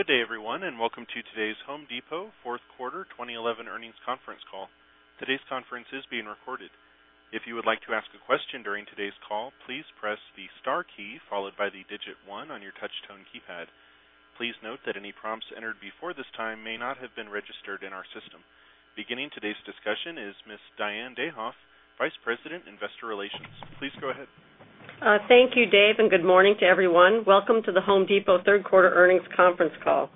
Good day, everyone, and welcome to today's The Home Depot Fourth Quarter 2011 Earnings Conference Call. Today's conference is being recorded. If you would like to ask a question during today's call, please press the star key followed by the digit one on your touch-tone keypad. Please note that any prompts entered before this time may not have been registered in our system. Beginning today's discussion is Ms. Diane Dayhoff, Vice President, Investor Relations. Please go ahead. Thank you, Dave, and good morning to everyone. Welcome to The Home Depot Third Quarter Earnings Conference Call.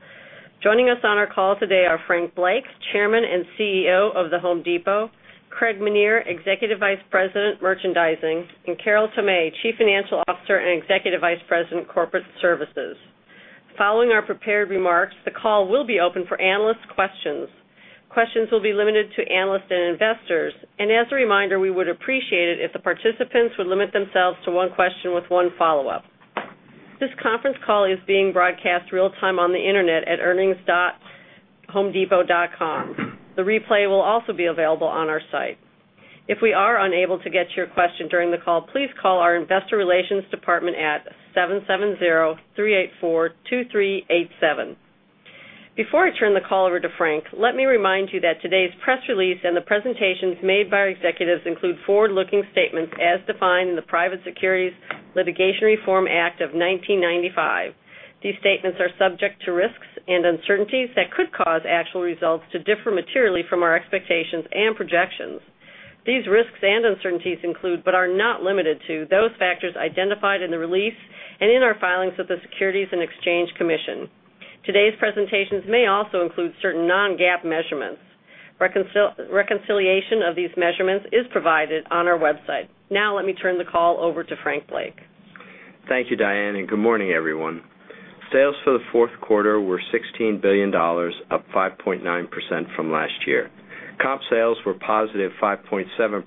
Joining us on our call today are Frank Blake, Chairman and CEO of The Home Depot, Craig Menear, Executive Vice President, Merchandising, and Carol Tomé, Chief Financial Officer and Executive Vice President, Corporate Services. Following our prepared remarks, the call will be open for analyst questions. Questions will be limited to analysts and investors, and as a reminder, we would appreciate it if the participants would limit themselves to one question with one follow-up. This conference call is being broadcast real-time on the internet at earnings.homedepot.com. The replay will also be available on our site. If we are unable to get your question during the call, please call our Investor Relations Department at 770-384-2387. Before I turn the call over to Frank, let me remind you that today's press release and the presentations made by our executives include forward-looking statements as defined in the Private Securities Litigation Reform Act of 1995. These statements are subject to risks and uncertainties that could cause actual results to differ materially from our expectations and projections. These risks and uncertainties include, but are not limited to, those factors identified in the release and in our filings with the Securities and Exchange Commission. Today's presentations may also include certain non-GAAP measurements. Reconciliation of these measurements is provided on our website. Now, let me turn the call over to Frank Blake. Thank you, Diane, and good morning, everyone. Sales for the fourth quarter were $16 billion, up 5.9% from last year. Comp sales were positive 5.7%,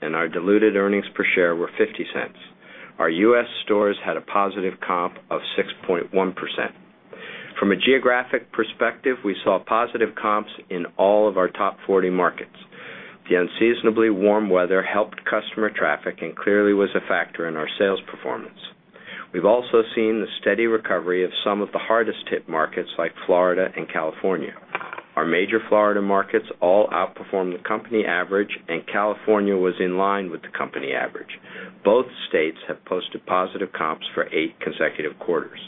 and our diluted earnings per share were $0.50. Our U.S. stores had a positive comp of 6.1%. From a geographic perspective, we saw positive comps in all of our top 40 markets. The unseasonably warm weather helped customer traffic and clearly was a factor in our sales performance. We've also seen the steady recovery of some of the hardest-hit markets like Florida and California. Our major Florida markets all outperformed the company average, and California was in line with the company average. Both states have posted positive comps for eight consecutive quarters.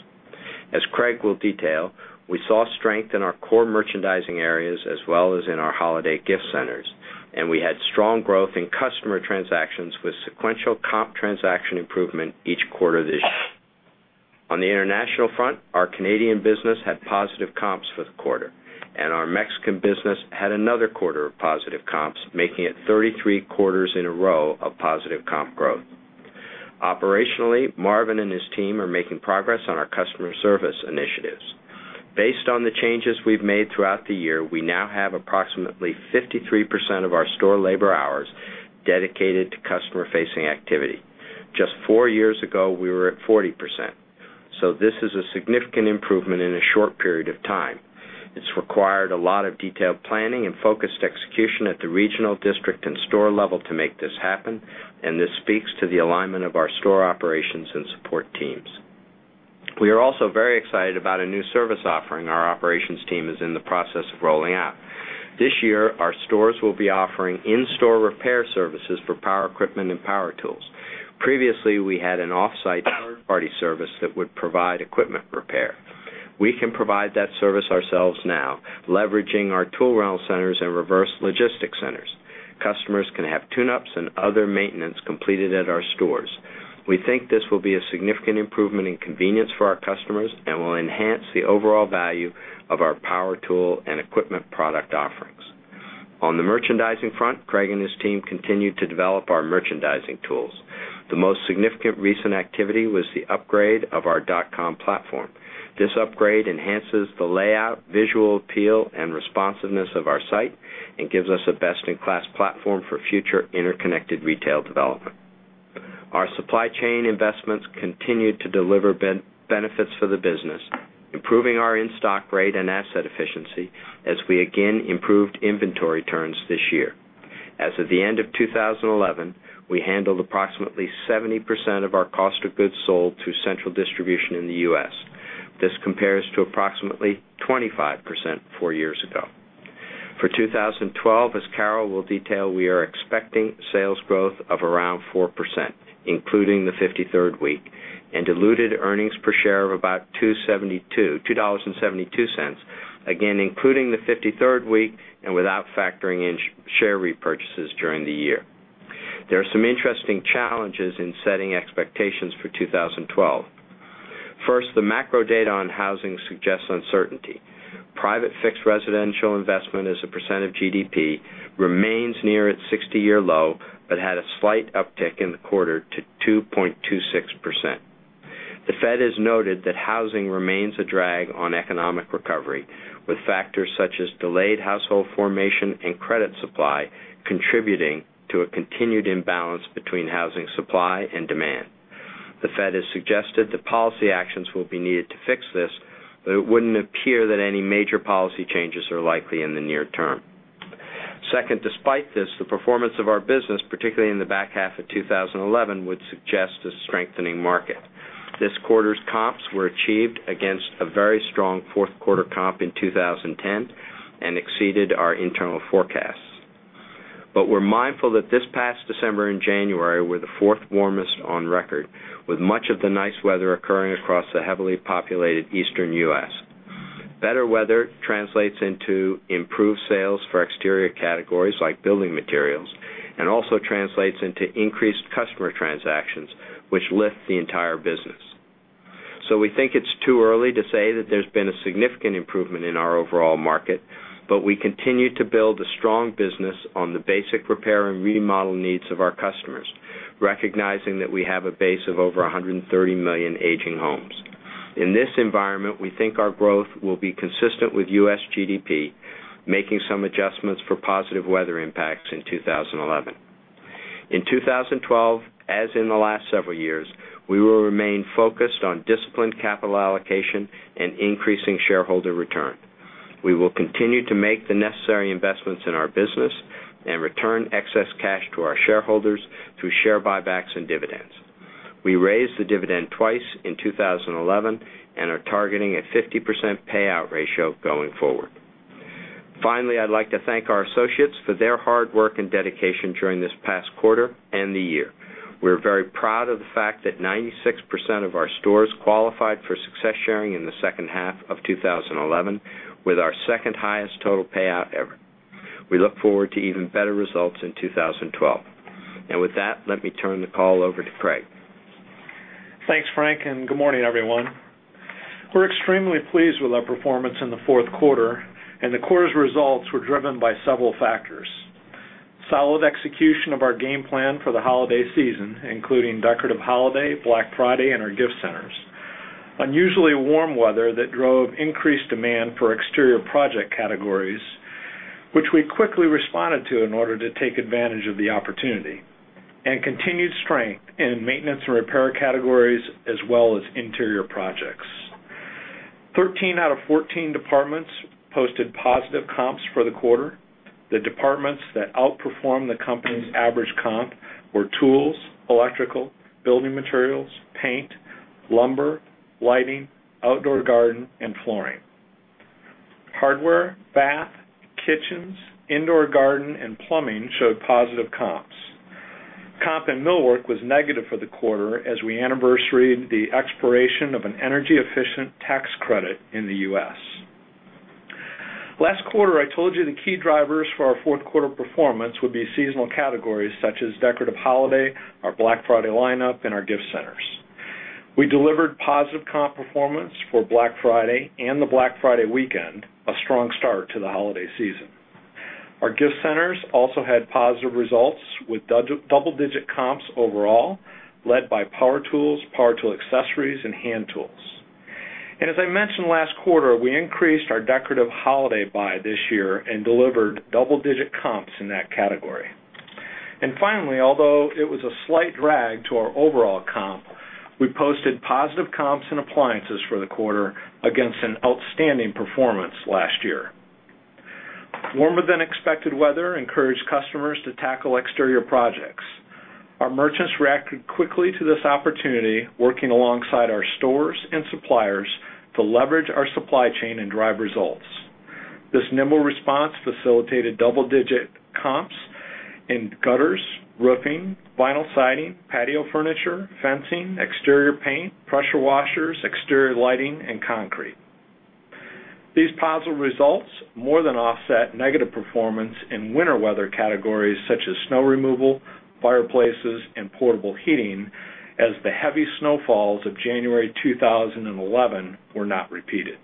As Craig will detail, we saw strength in our core merchandising areas as well as in our holiday gift centers, and we had strong growth in customer transactions with sequential comp transaction improvement each quarter this year. On the international front, our Canadian business had positive comps for the quarter, and our Mexican business had another quarter of positive comps, making it 33 quarters in a row of positive comp growth. Operationally, Marvin and his team are making progress on our customer service initiatives. Based on the changes we've made throughout the year, we now have approximately 53% of our store labor hours dedicated to customer-facing activity. Just four years ago, we were at 40%. This is a significant improvement in a short period of time. It's required a lot of detailed planning and focused execution at the regional, district, and store level to make this happen, and this speaks to the alignment of our store operations and support teams. We are also very excited about a new service offering our operations team is in the process of rolling out. This year, our stores will be offering in-store repair services for power equipment and power tools. Previously, we had an offsite third-party service that would provide equipment repair. We can provide that service ourselves now, leveraging our tool rental centers and reverse logistics centers. Customers can have tune-ups and other maintenance completed at our stores. We think this will be a significant improvement in convenience for our customers and will enhance the overall value of our power tool and equipment product offerings. On the merchandising front, Craig and his team continue to develop our merchandising tools. The most significant recent activity was the upgrade of our dot-com platform. This upgrade enhances the layout, visual appeal, and responsiveness of our site and gives us a best-in-class platform for future interconnected retail development. Our supply chain investments continue to deliver benefits for the business, improving our in-stock rate and asset efficiency as we again improved inventory turns this year. As of the end of 2011, we handled approximately 70% of our cost of goods sold through central distribution in the U.S. This compares to approximately 25% four years ago. For 2012, as Carol will detail, we are expecting sales growth of around 4%, including the 53rd week, and diluted earnings per share of about $2.72, again including the 53rd week and without factoring in share repurchases during the year. There are some interesting challenges in setting expectations for 2012. First, the macro data on housing suggests uncertainty. Private fixed residential investment as a percent of GDP remains near its 60-year low but had a slight uptick in the quarter to 2.26%. The Fed has noted that housing remains a drag on economic recovery, with factors such as delayed household formation and credit supply contributing to a continued imbalance between housing supply and demand. The Fed has suggested that policy actions will be needed to fix this, but it wouldn't appear that any major policy changes are likely in the near term. Despite this, the performance of our business, particularly in the back half of 2011, would suggest a strengthening market. This quarter's comps were achieved against a very strong fourth quarter comp in 2010 and exceeded our internal forecasts. We're mindful that this past December and January were the fourth warmest on record, with much of the nice weather occurring across the heavily populated Eastern U.S. Better weather translates into improved sales for exterior categories like building materials and also translates into increased customer transactions, which lift the entire business. We think it's too early to say that there's been a significant improvement in our overall market, but we continue to build a strong business on the basic repair and remodel needs of our customers, recognizing that we have a base of over 130 million aging homes. In this environment, we think our growth will be consistent with U.S. GDP, making some adjustments for positive weather impacts in 2011. In 2012, as in the last several years, we will remain focused on disciplined capital allocation and increasing shareholder return. We will continue to make the necessary investments in our business and return excess cash to our shareholders through share repurchases and dividends. We raised the dividend twice in 2011 and are targeting a 50% payout ratio going forward. Finally, I'd like to thank our associates for their hard work and dedication during this past quarter and the year. We're very proud of the fact that 96% of our stores qualified for success sharing in the second half of 2011, with our second highest total payout ever. We look forward to even better results in 2012. With that, let me turn the call over to Craig. Thanks, Frank, and good morning, everyone. We're extremely pleased with our performance in the fourth quarter, and the quarter's results were driven by several factors: solid execution of our game plan for the holiday season, including decorative holiday, Black Friday, and our gift centers, unusually warm weather that drove increased demand for exterior project categories, which we quickly responded to in order to take advantage of the opportunity, and continued strength in maintenance and repair categories, as well as interior projects. 13 out of 14 departments posted positive comps for the quarter. The departments that outperformed the company's average comp were tools, electrical, building materials, paint, lumber, lighting, outdoor garden, and flooring. Hardware, bath, kitchens, indoor garden, and plumbing showed positive comps. Comp in millwork was negative for the quarter as we anniversaried the expiration of an energy-efficient tax credit in the U.S. Last quarter, I told you the key drivers for our fourth quarter performance would be seasonal categories such as decorative holiday, our Black Friday lineup, and our gift centers. We delivered positive comp performance for Black Friday and the Black Friday weekend, a strong start to the holiday season. Our gift centers also had positive results with double-digit comps overall, led by power tools, power tool accessories, and hand tools. As I mentioned last quarter, we increased our decorative holiday buy this year and delivered double-digit comps in that category. Finally, although it was a slight drag to our overall comp, we posted positive comps in appliances for the quarter against an outstanding performance last year. Warmer than expected weather encouraged customers to tackle exterior projects. Our merchants reacted quickly to this opportunity, working alongside our stores and suppliers to leverage our supply chain and drive results. This nimble response facilitated double-digit comps in gutters, roofing, vinyl siding, patio furniture, fencing, exterior paint, pressure washers, exterior lighting, and concrete. These positive results more than offset negative performance in winter weather categories such as snow removal, fireplaces, and portable heating, as the heavy snowfalls of January 2011 were not repeated.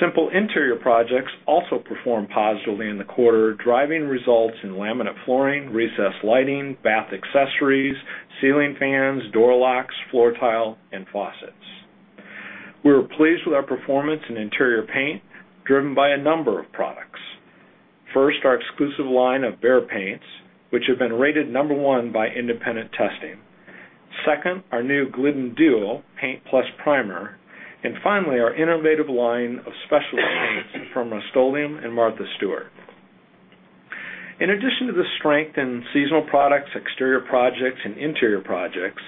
Simple interior projects also performed positively in the quarter, driving results in laminate flooring, recessed lighting, bath accessories, ceiling fans, door locks, floor tile, and faucets. We were pleased with our performance in interior paint, driven by a number of products. First, our exclusive line of BEHR paints, which have been rated number one by independent testing. Second, our new Glidden DUO Paint + Primer. Finally, our innovative line of specialty paints from Rust-Oleum and Martha Stewart. In addition to the strength in seasonal products, exterior projects, and interior projects,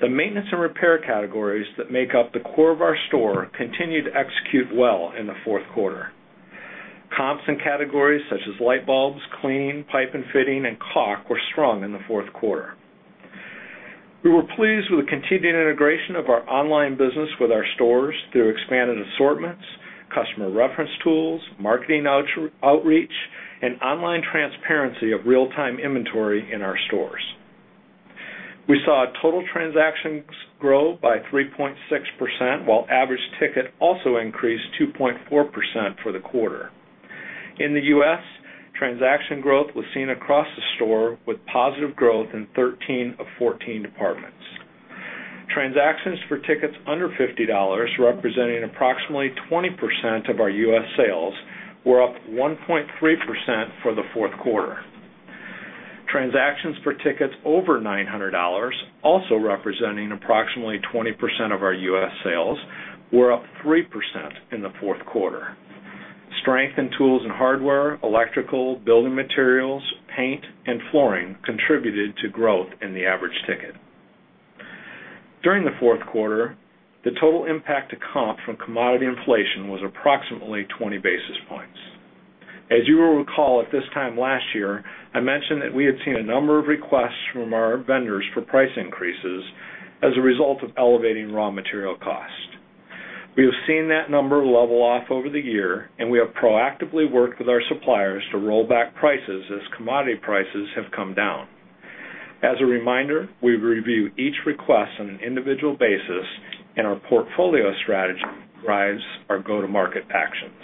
the maintenance and repair categories that make up the core of our store continued to execute well in the fourth quarter. Comps in categories such as light bulbs, cleaning, pipe and fitting, and caulk were strong in the fourth quarter. We were pleased with the continued integration of our online business with our stores through expanded assortments, customer reference tools, marketing outreach, and online transparency of real-time inventory in our stores. We saw total transactions grow by 3.6%, while average ticket also increased 2.4% for the quarter. In the U.S., transaction growth was seen across the store with positive growth in 13 of 14 departments. Transactions for tickets under $50, representing approximately 20% of our U.S. sales, were up 1.3% for the fourth quarter. Transactions for tickets over $900, also representing approximately 20% of our U.S. sales, were up 3% in the fourth quarter. Strength in tools and hardware, electrical, building materials, paint, and flooring contributed to growth in the average ticket. During the fourth quarter, the total impact to comp from commodity inflation was approximately 20 basis points. As you will recall, at this time last year, I mentioned that we had seen a number of requests from our vendors for price increases as a result of elevating raw material costs. We have seen that number level off over the year, and we have proactively worked with our suppliers to roll back prices as commodity prices have come down. As a reminder, we review each request on an individual basis, and our portfolio strategy drives our go-to-market actions.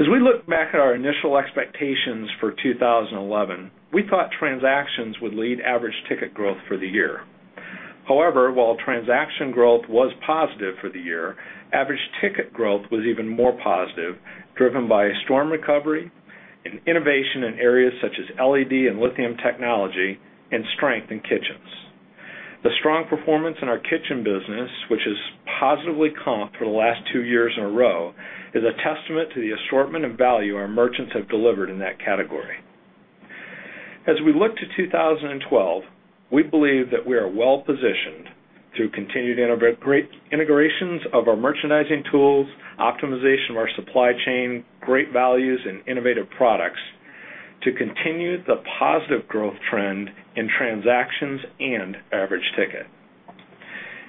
As we look back at our initial expectations for 2011, we thought transactions would lead average ticket growth for the year. However, while transaction growth was positive for the year, average ticket growth was even more positive, driven by a storm recovery and innovation in areas such as LED and lithium technology and strength in kitchens. The strong performance in our kitchen business, which has positively comped for the last two years in a row, is a testament to the assortment and value our merchants have delivered in that category. As we look to 2012, we believe that we are well-positioned through continued integrations of our merchandising tools, optimization of our supply chain, great values, and innovative products to continue the positive growth trend in transactions and average ticket.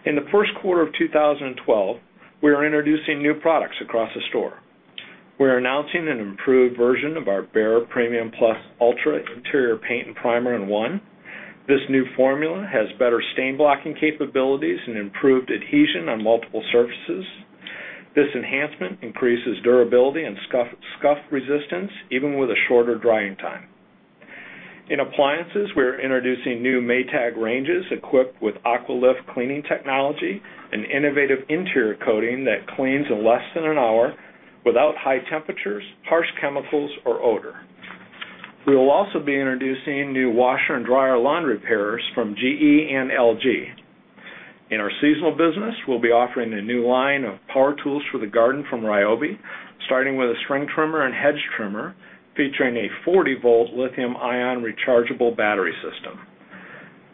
In the first quarter of 2012, we are introducing new products across the store. We are announcing an improved version of our BEHR Premium Plus Ultra Interior Paint and Primer in One. This new formula has better stain-blocking capabilities and improved adhesion on multiple surfaces. This enhancement increases durability and scuff resistance, even with a shorter drying time. In appliances, we are introducing new Maytag ranges equipped with AquaLift cleaning technology, an innovative interior coating that cleans in less than an hour without high temperatures, harsh chemicals, or odor. We will also be introducing new washer and dryer laundry pairs from GE and LG. In our seasonal business, we'll be offering a new line of power tools for the garden from Ryobi, starting with a string trimmer and hedge trimmer featuring a 40-volt lithium-ion rechargeable battery system.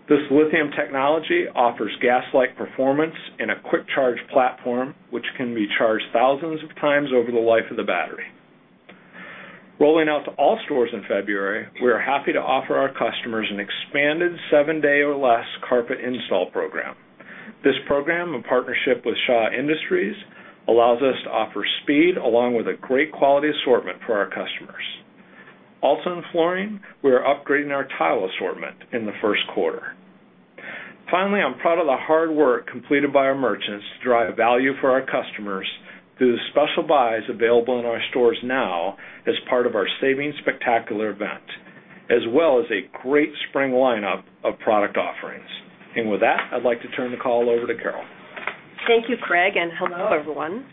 This lithium technology offers gas-like performance in a quick charge platform, which can be charged thousands of times over the life of the battery. Rolling out to all stores in February, we are happy to offer our customers an expanded seven-day or less carpet install program. This program, in partnership with Shaw Industries, allows us to offer speed along with a great quality assortment for our customers. Also in flooring, we are upgrading our tile assortment in the first quarter. Finally, I'm proud of the hard work completed by our merchants to drive value for our customers through the special buys available in our stores now as part of our Savings Spectacular event, as well as a great spring lineup of product offerings. I'd like to turn the call over to Carol. Thank you, Craig, and hello, everyone.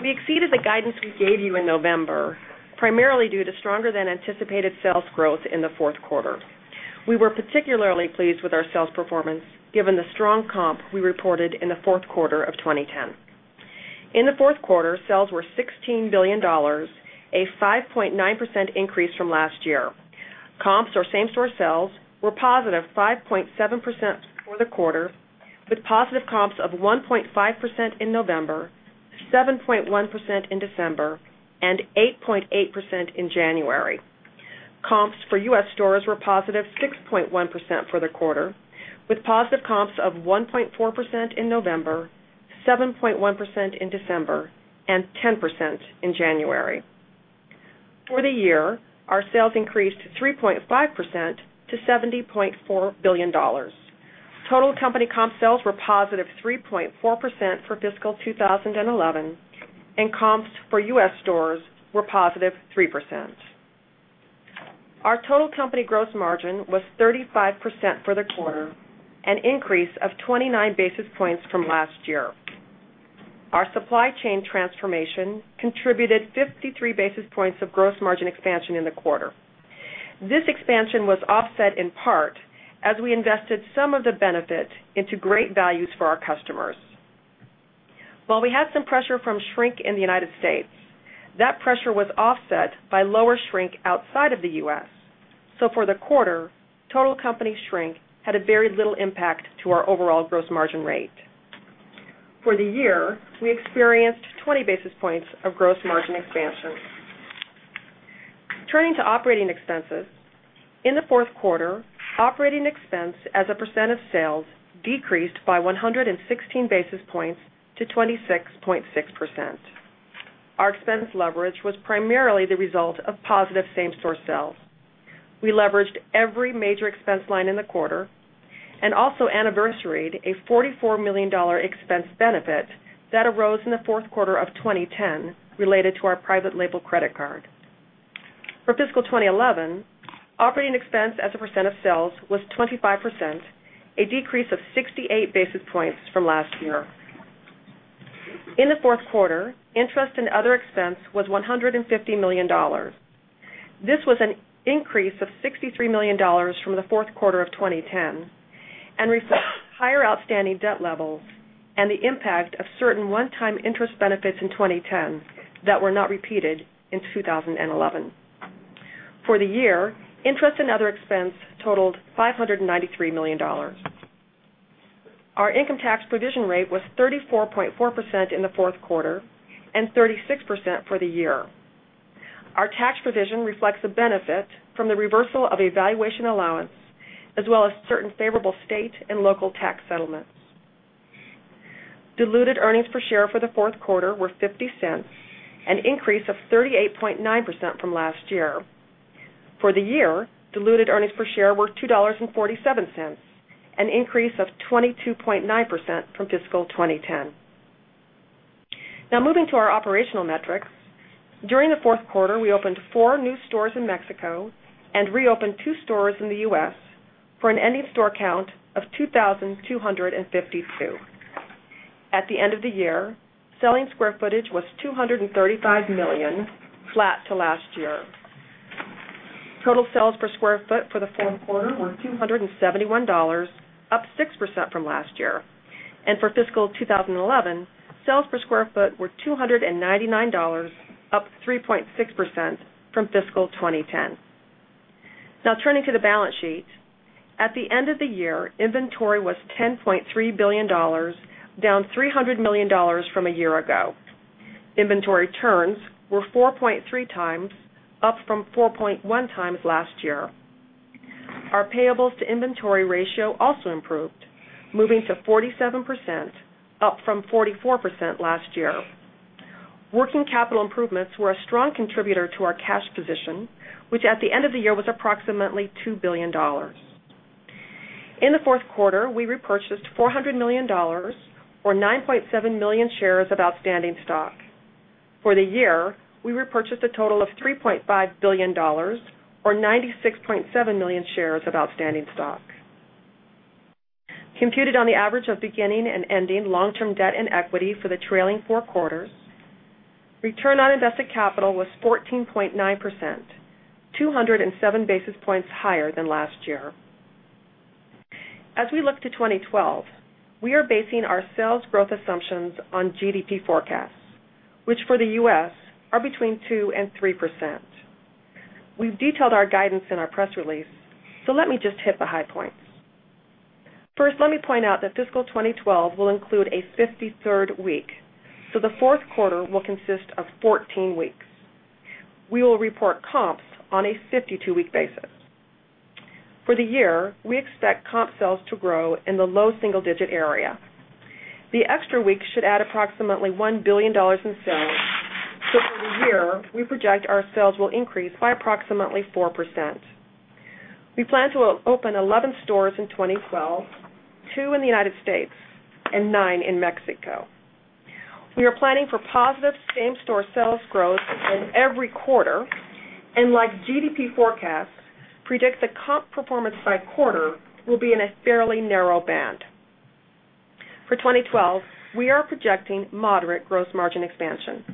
We exceeded the guidance we gave you in November, primarily due to stronger than anticipated sales growth in the fourth quarter. We were particularly pleased with our sales performance, given the strong comp we reported in the fourth quarter of 2010. In the fourth quarter, sales were $16 billion, a 5.9% increase from last year. Comps, or same-store sales, were positive 5.7% for the quarter, with positive comps of 1.5% in November, 7.1% in December, and 8.8% in January. Comps for U.S. stores were positive 6.1% for the quarter, with positive comps of 1.4% in November, 7.1% in December, and 10% in January. For the year, our sales increased 3.5% to $70.4 billion. Total company comp sales were positive 3.4% for fiscal 2011, and comps for U.S. stores were positive 3%. Our total company gross margin was 35% for the quarter, an increase of 29 basis points from last year. Our supply chain transformation contributed 53 basis points of gross margin expansion in the quarter. This expansion was offset in part as we invested some of the benefit into great values for our customers. While we had some pressure from shrink in the United States, that pressure was offset by lower shrink outside of the U.S. For the quarter, total company shrink had very little impact to our overall gross margin rate. For the year, we experienced 20 basis points of gross margin expansion. Turning to operating expenses, in the fourth quarter, operating expense as a percent of sales decreased by 116 basis points to 26.6%. Our expense leverage was primarily the result of positive same-store sales. We leveraged every major expense line in the quarter and also anniversaried a $44 million expense benefit that arose in the fourth quarter of 2010 related to our private label credit card. For fiscal 2011, operating expense as a percent of sales was 25%, a decrease of 68 basis points from last year. In the fourth quarter, interest and other expense was $150 million. This was an increase of $63 million from the fourth quarter of 2010 and reflects higher outstanding debt levels and the impact of certain one-time interest benefits in 2010 that were not repeated in 2011. For the year, interest and other expense totaled $593 million. Our income tax provision rate was 34.4% in the fourth quarter and 36% for the year. Our tax provision reflects the benefit from the reversal of a valuation allowance, as well as certain favorable state and local tax settlements. Diluted earnings per share for the fourth quarter were $0.50, an increase of 38.9% from last year. For the year, diluted earnings per share were $2.47, an increase of 22.9% from fiscal 2010. Now, moving to our operational metrics, during the fourth quarter, we opened four new stores in Mexico and reopened two stores in the U.S. for an ending store count of 2,252. At the end of the year, selling square footage was 235 million, flat to last year. Total sales per square foot for the fourth quarter were $271, up 6% from last year. For fiscal 2011, sales per square foot were $299, up 3.6% from fiscal 2010. Now, turning to the balance sheet, at the end of the year, inventory was $10.3 billion, down $300 million from a year ago. Inventory turns were 4.3x, up from 4.1x last year. Our payables to inventory ratio also improved, moving to 47%, up from 44% last year. Working capital improvements were a strong contributor to our cash position, which at the end of the year was approximately $2 billion. In the fourth quarter, we repurchased $400 million, or 9.7 million shares of outstanding stock. For the year, we repurchased a total of $3.5 billion, or 96.7 million shares of outstanding stock. Computed on the average of beginning and ending long-term debt and equity for the trailing four quarters, return on invested capital was 14.9%, 207 basis points higher than last year. As we look to 2012, we are basing our sales growth assumptions on GDP forecasts, which for the U.S. are between 2% and 3%. We've detailed our guidance in our press release, so let me just hit the high points. First, let me point out that fiscal 2012 will include a 53rd week, so the fourth quarter will consist of 14 weeks. We will report comps on a 52-week basis. For the year, we expect comp sales to grow in the low single-digit area. The extra weeks should add approximately $1 billion in sales. For the year, we project our sales will increase by approximately 4%. We plan to open 11 stores in 2012, two in the United States, and nine in Mexico. We are planning for positive same-store sales growth in every quarter, and like GDP forecasts, predict the comp performance by quarter will be in a fairly narrow band. For 2012, we are projecting moderate gross margin expansion.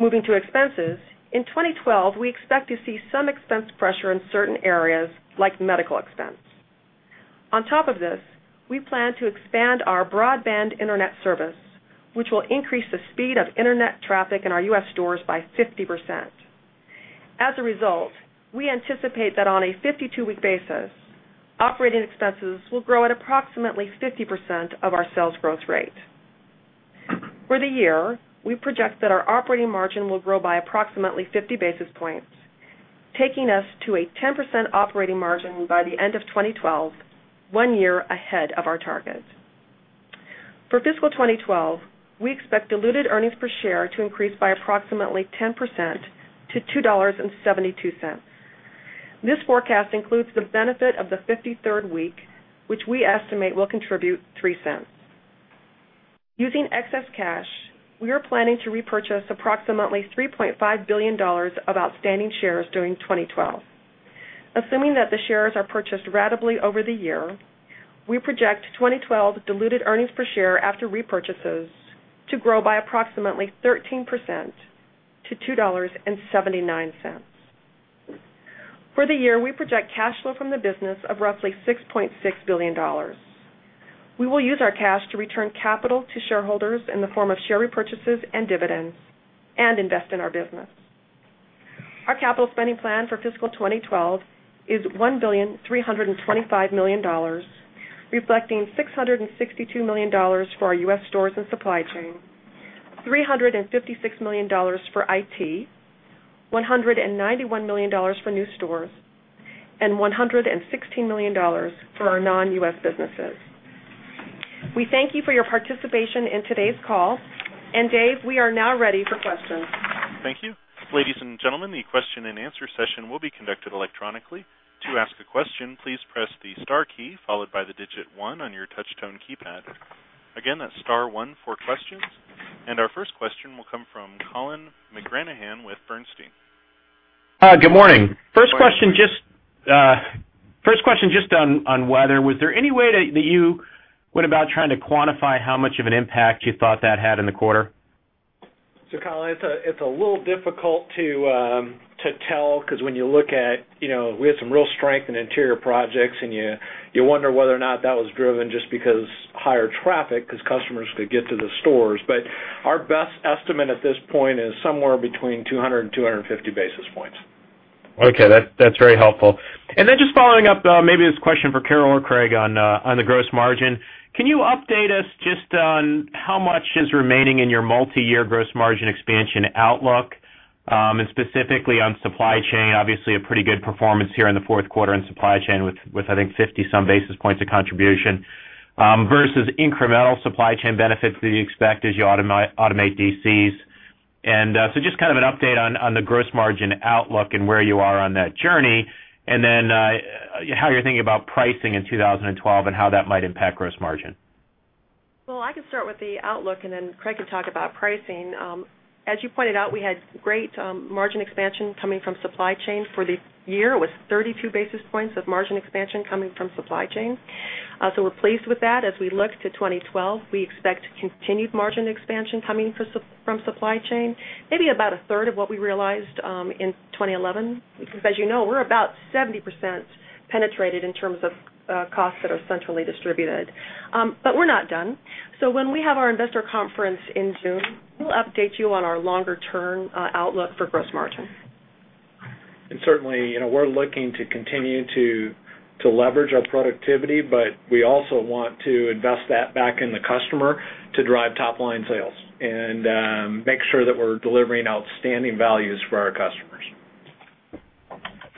Moving to expenses, in 2012, we expect to see some expense pressure in certain areas, like medical expense. On top of this, we plan to expand our broadband internet service, which will increase the speed of Internet traffic in our U.S. stores by 50%. As a result, we anticipate that on a 52-week basis, operating expenses will grow at approximately 50% of our sales growth rate. For the year, we project that our operating margin will grow by approximately 50 basis points, taking us to a 10% operating margin by the end of 2012, one year ahead of our target. For fiscal 2012, we expect diluted earnings per share to increase by approximately 10% to $2.72. This forecast includes the benefit of the 53rd week, which we estimate will contribute $0.03. Using excess cash, we are planning to repurchase approximately $3.5 billion of outstanding shares during 2012. Assuming that the shares are purchased rapidly over the year, we project 2012 diluted earnings per share after repurchases to grow by approximately 13% to $2.79. For the year, we project cash flow from the business of roughly $6.6 billion. We will use our cash-to-return capital to shareholders in the form of share repurchases and dividends and invest in our business. Our capital spending plan for fiscal 2012 is $1,325,000,000, reflecting $662 million for our U.S. stores and supply chain, $356 million for IT, $191 million for new stores, and $116 million for our non-U.S. businesses. We thank you for your participation in today's call. Dave, we are now ready for questions. Thank you. Ladies and gentlemen, the question and answer session will be conducted electronically. To ask a question, please press the star key followed by the digit one on your touch-tone keypad. Again, that's star one for questions. Our first question will come from Colin McGranahan with Bernstein. Hi, good morning. First question just on weather. Was there any way that you went about trying to quantify how much of an impact you thought that had in the quarter? It's a little difficult to tell because when you look at, you know, we had some real strength in interior projects, and you wonder whether or not that was driven just because higher traffic because customers could get to the stores. Our best estimate at this point is somewhere between 200 and 250 basis points. Okay, that's very helpful. Just following up, maybe this question for Carol or Craig on the gross margin. Can you update us just on how much is remaining in your multi-year gross margin expansion outlook, and specifically on supply chain? Obviously, a pretty good performance here in the fourth quarter in supply chain with, I think, 50-some basis points of contribution, versus incremental supply chain benefits that you expect as you automate DCs. Just kind of an update on the gross margin outlook and where you are on that journey. Also, how you're thinking about pricing in 2012 and how that might impact gross margin. I can start with the outlook, and then Craig can talk about pricing. As you pointed out, we had great margin expansion coming from supply chain for the year. It was 32 basis points of margin expansion coming from supply chain. We're pleased with that. As we look to 2012, we expect continued margin expansion coming from supply chain, maybe about 1/3 of what we realized in 2011 because, as you know, we're about 70% penetrated in terms of costs that are centrally distributed. We're not done. When we have our investor conference in June, we'll update you on our longer-term outlook for gross margin. We are looking to continue to leverage our productivity, but we also want to invest that back in the customer to drive top-line sales and make sure that we're delivering outstanding values for our customers.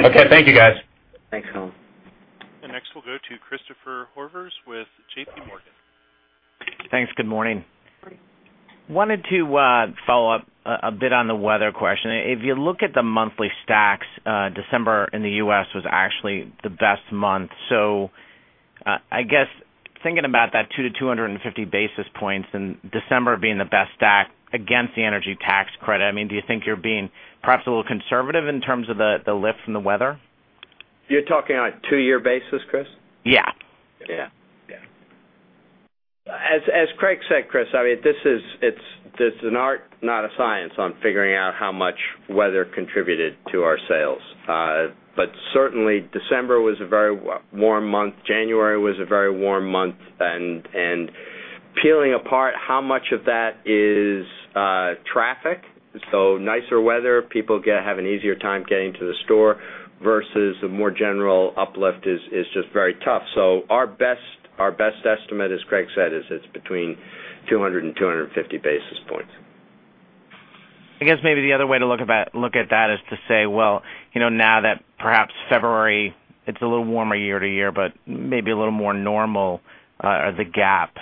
Okay, thank you, guys. Thanks, Colin. Next, we'll go to Christopher Horvers with JPMorgan. Thanks, good morning. Wanted to follow up a bit on the weather question. If you look at the monthly stacks, December in the U.S. was actually the best month. I guess thinking about that 200-250 basis points and December being the best stack against the energy tax credit, do you think you're being perhaps a little conservative in terms of the lift from the weather? You're talking on a two-year basis, Chris? Yeah. Yeah. Yeah. As Craig said, Chris, this is an art, not a science, on figuring out how much weather contributed to our sales. December was a very warm month. January was a very warm month. Peeling apart how much of that is traffic, so nicer weather, people have an easier time getting to the store versus a more general uplift is just very tough. Our best estimate, as Craig said, is it's between 200 and 250 basis points. I guess maybe the other way to look at that is to say, you know, now that perhaps February, it's a little warmer year to year, but maybe a little more normal or the gap,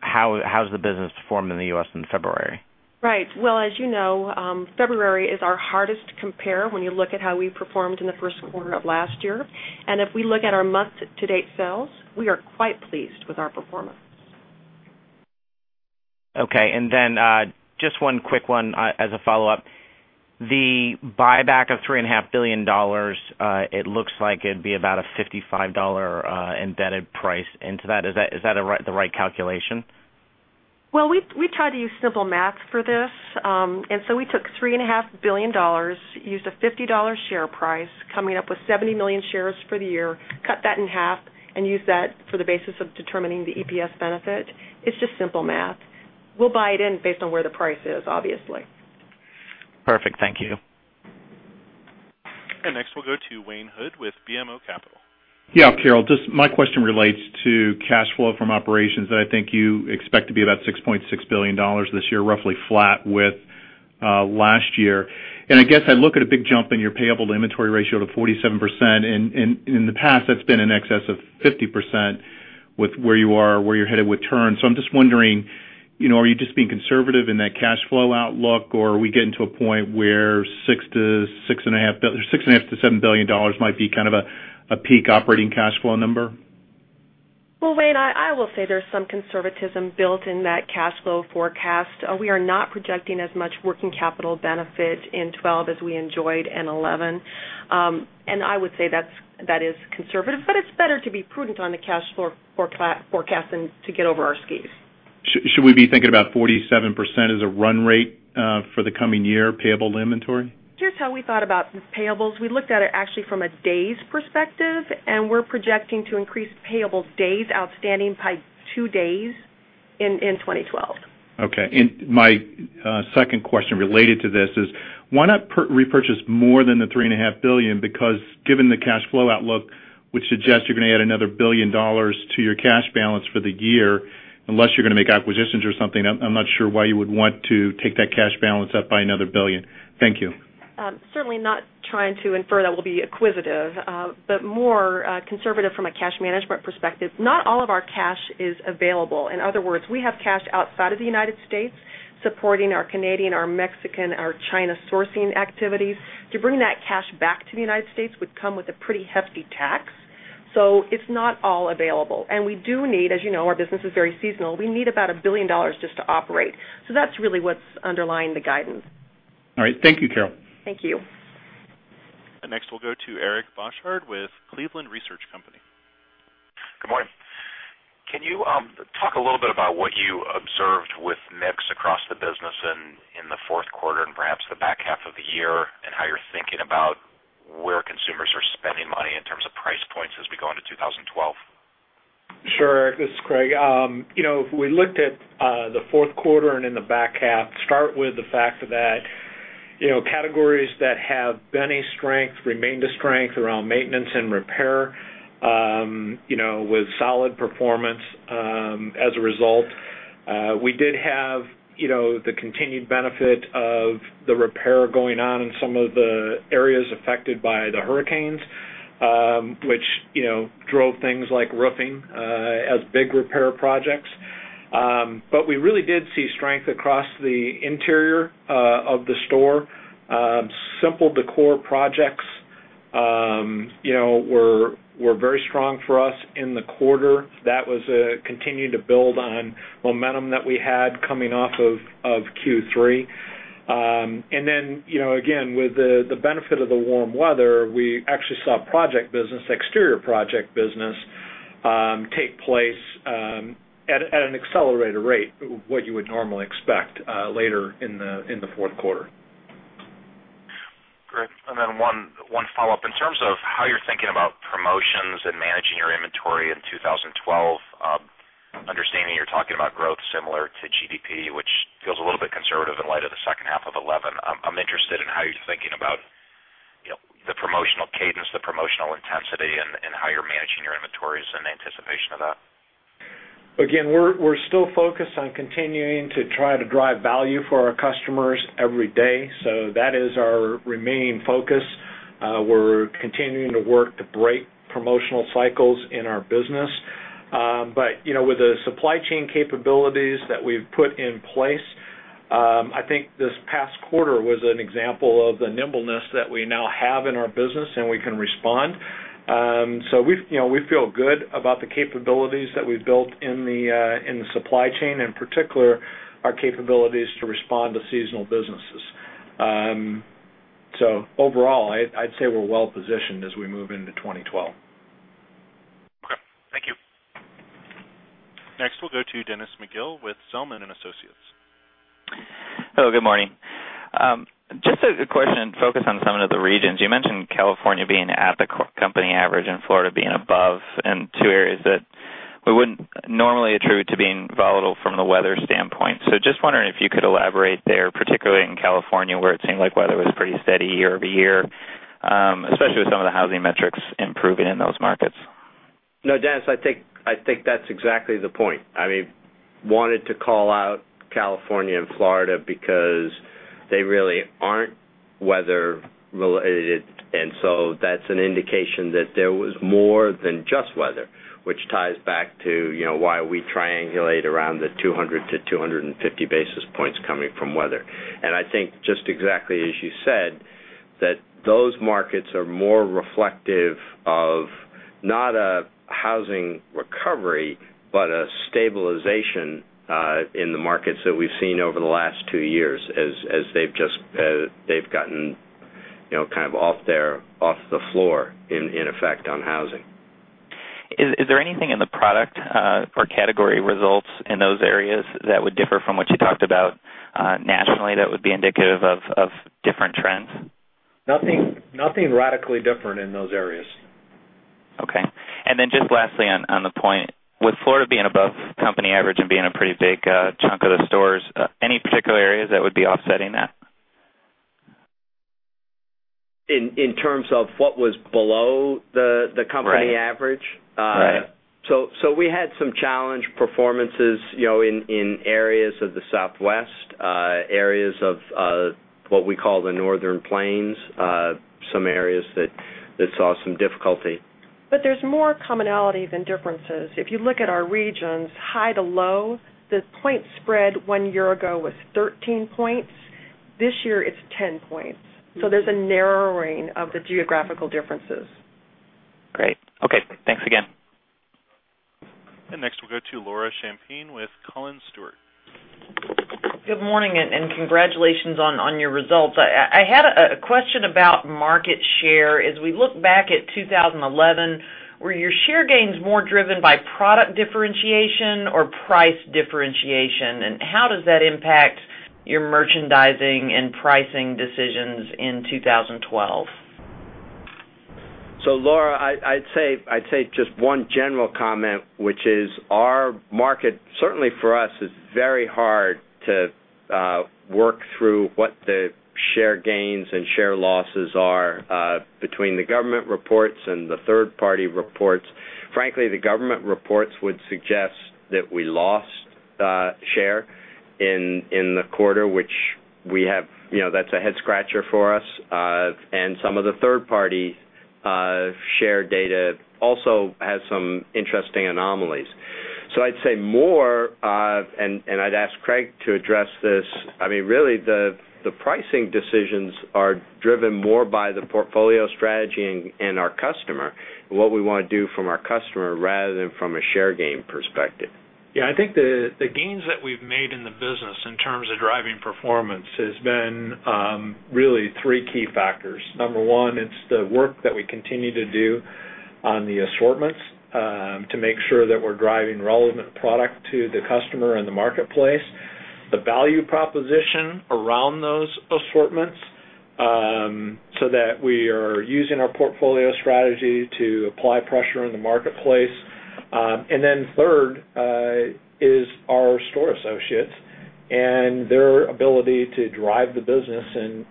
how's the business performed in the U.S. in February? Right. As you know, February is our hardest to compare when you look at how we performed in the first quarter of last year. If we look at our month-to-date sales, we are quite pleased with our performance. Okay. Just one quick one as a follow-up. The buyback of $3.5 billion, it looks like it'd be about a $55 embedded price into that. Is that the right calculation? We try to use simple math for this. We took $3.5 billion, used a $50 share price, coming up with 70 million shares for the year, cut that in half, and use that for the basis of determining the EPS benefit. It's just simple math. We'll buy it in based on where the price is, obviously. Perfect, thank you. Next, we'll go to Wayne Hood with BMO Capital. Yeah, Carol, just my question relates to cash flow from operations that I think you expect to be about $6.6 billion this year, roughly flat with last year. I guess I look at a big jump in your payable to inventory ratio to 47%. In the past, that's been in excess of 50% with where you are, where you're headed with turns. I'm just wondering, you know, are you just being conservative in that cash flow outlook, or are we getting to a point where $6.5 billion-$7 billion might be kind of a peak operating cash flow number? There is some conservatism built in that cash flow forecast. We are not projecting as much working capital benefit in 2012 as we enjoyed in 2011. I would say that is conservative, but it's better to be prudent on the cash flow forecast than to get over our skis. Should we be thinking about 47% as a run rate for the coming year payable to inventory? Here's how we thought about payables. We looked at it actually from a days perspective, and we're projecting to increase payables days outstanding by two days in 2012. Okay. My second question related to this is, why not repurchase more than the $3.5 billion? Because given the cash flow outlook, which suggests you're going to add another $1 billion to your cash balance for the year, unless you're going to make acquisitions or something, I'm not sure why you would want to take that cash balance up by another $1 billion. Thank you. Certainly not trying to infer that we'll be acquisitive, but more conservative from a cash management perspective. Not all of our cash is available. In other words, we have cash outside of the U.S. supporting our Canadian, our Mexican, our China sourcing activities. To bring that cash back to the U.S. would come with a pretty hefty tax. It's not all available. We do need, as you know, our business is very seasonal. We need about $1 billion just to operate. That's really what's underlying the guidance. All right. Thank you, Carol. Thank you. Next, we'll go to Eric Bosshard with Cleveland Research Company. Good morning. Can you talk a little bit about what you observed with mix across the business in the fourth quarter and perhaps the back half of the year, and how you're thinking about where consumers are spending money in terms of price points as we go into 2012? Sure. This is Craig. If we looked at the fourth quarter and in the back half, start with the fact that categories that have been a strength remained a strength around maintenance and repair, with solid performance as a result. We did have the continued benefit of the repair going on in some of the areas affected by the hurricanes, which drove things like roofing as big repair projects. We really did see strength across the interior of the store. Simple decor projects were very strong for us in the quarter. That continued to build on momentum that we had coming off of Q3. With the benefit of the warm weather, we actually saw project business, exterior project business take place at an accelerated rate of what you would normally expect later in the fourth quarter. Great. One follow-up in terms of how you're thinking about promotions and managing your inventory in 2012, understanding you're talking about growth similar to GDP, which feels a little bit conservative in light of the second half of 2011. I'm interested in how you're thinking about the promotional cadence, the promotional intensity, and how you're managing your inventories in anticipation of that. Again, we're still focused on continuing to try to drive value for our customers every day. That is our remaining focus. We're continuing to work to break promotional cycles in our business. With the supply chain capabilities that we've put in place, I think this past quarter was an example of the nimbleness that we now have in our business and we can respond. We feel good about the capabilities that we've built in the supply chain, in particular, our capabilities to respond to seasonal businesses. Overall, I'd say we're well positioned as we move into 2012. Okay, thank you. Next, we'll go to Dennis McGill with Zelman & Associates. Hello, good morning. Just a question focused on some of the regions. You mentioned California being at the company average and Florida being above in two areas that we wouldn't normally attribute to being volatile from the weather standpoint. Just wondering if you could elaborate there, particularly in California, where it seemed like weather was pretty steady year-over-year, especially with some of the housing metrics improving in those markets. No, Dennis, I think that's exactly the point. I wanted to call out California and Florida because they really aren't weather-related. That's an indication that there was more than just weather, which ties back to why we triangulate around the 200-250 basis points coming from weather. I think just exactly as you said, those markets are more reflective of not a housing recovery, but a stabilization in the markets that we've seen over the last two years as they've just gotten kind of off the floor in effect on housing. Is there anything in the product or category results in those areas that would differ from what you talked about nationally, that would be indicative of different trends? Nothing radically different in those areas. Okay. Lastly, on the point, with Florida being above company average and being a pretty big chunk of the stores, any particular areas that would be offsetting that? In terms of what was below the company average? Right. We had some challenge performances in areas of the Southwest, areas of what we call the Northern Plains, some areas that saw some difficulty. There is more commonality than differences. If you look at our regions, high to low, the point spread one year ago was 13 points. This year, it's 10 points. There is a narrowing of the geographical differences. Great. Okay, thanks again. Next, we'll go to Laura Champine with Collins Stewart. Good morning and congratulations on your results. I had a question about market share. As we look back at 2011, were your share gains more driven by product differentiation or price differentiation? How does that impact your merchandising and pricing decisions in 2012? Laura, I'd say just one general comment, which is our market, certainly for us, is very hard to work through what the share gains and share losses are between the government reports and the third-party reports. Frankly, the government reports would suggest that we lost share in the quarter, which we have, that's a head-scratcher for us. Some of the third-party share data also has some interesting anomalies. I'd say more, and I'd ask Craig to address this. The pricing decisions are driven more by the portfolio strategy and our customer, what we want to do from our customer rather than from a share gain perspective. I think the gains that we've made in the business in terms of driving performance have been really three key factors. Number one, it's the work that we continue to do on the assortments to make sure that we're driving relevant product to the customer and the marketplace, the value proposition around those assortments so that we are using our portfolio strategy to apply pressure in the marketplace. Third is our store associates and their ability to drive the business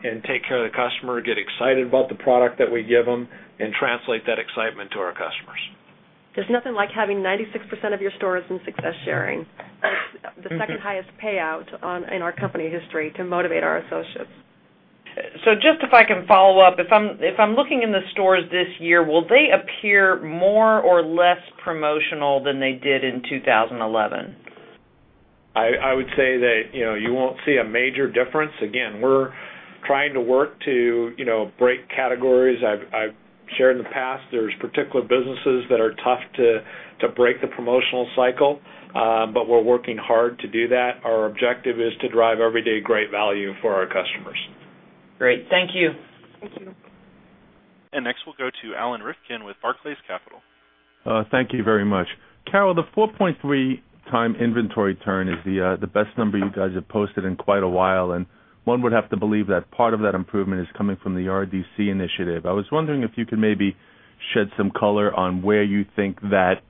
and take care of the customer, get excited about the product that we give them, and translate that excitement to our customers. There's nothing like having 96% of your stores in success sharing. It's the second highest payout in our company history to motivate our associates. If I can follow up, if I'm looking in the stores this year, will they appear more or less promotional than they did in 2011? I would say that you won't see a major difference. Again, we're trying to work to break categories. I've shared in the past there's particular businesses that are tough to break the promotional cycle, but we're working hard to do that. Our objective is to drive everyday great value for our customers. Great. Thank you. Thank you. Next, we'll go to Alan Rifkin with Barclays Capital. Thank you very much. Carol, the 4.3x-inventory turn is the best number you guys have posted in quite a while, and one would have to believe that part of that improvement is coming from the RDC initiative. I was wondering if you could maybe shed some color on where you think that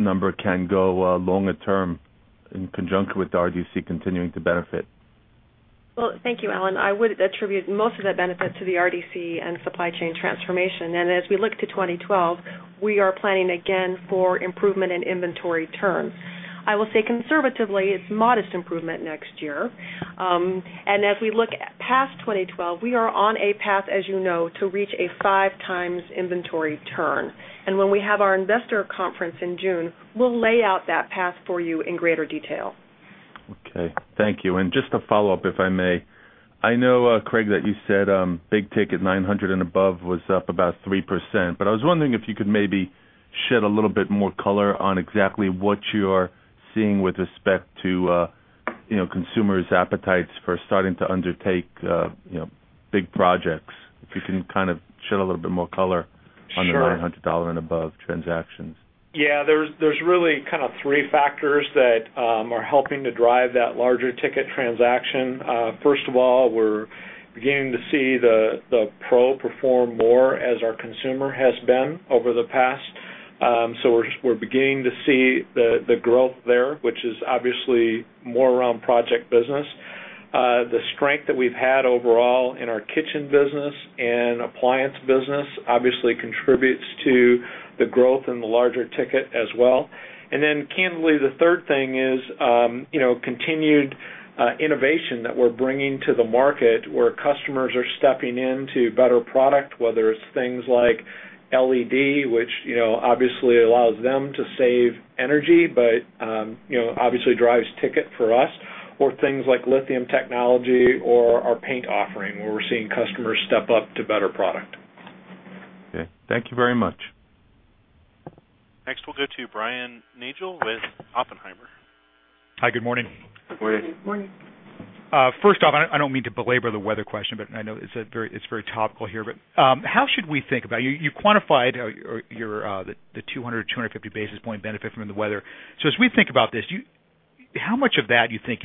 number can go longer term in conjunction with the RDC continuing to benefit. Thank you, Alan. I would attribute most of that benefit to the RDC and supply chain transformation. As we look to 2012, we are planning again for improvement in inventory turns. I will say conservatively, it's modest improvement next year. As we look past 2012, we are on a path, as you know, to reach a 5x-inventory turn. When we have our investor conference in June, we'll lay out that path for you in greater detail. Thank you. Just to follow up, if I may, I know, Craig, that you said big ticket $900 and above was up about 3%, but I was wondering if you could maybe shed a little bit more color on exactly what you're seeing with respect to consumers' appetites for starting to undertake big projects. If you can kind of shed a little bit more color on the $900 and above transactions. Yeah, there's really kind of three factors that are helping to drive that larger ticket transaction. First of all, we're beginning to see the pro perform more as our consumer has been over the past. We're beginning to see the growth there, which is obviously more around project business. The strength that we've had overall in our kitchen business and appliance business obviously contributes to the growth in the larger ticket as well. Candidly, the third thing is continued innovation that we're bringing to the market where customers are stepping into better product, whether it's things like LED, which obviously allows them to save energy but obviously drives ticket for us, or things like lithium technology or our paint offering where we're seeing customers step up to better product. Okay, thank you very much. Next, we'll go to Brian Nagel with Oppenheimer. Hi, good morning. Morning. First off, I don't mean to belabor the weather question, but I know it's very topical here. How should we think about, you quantified the 200-250 basis point benefit from the weather. As we think about this, how much of that do you think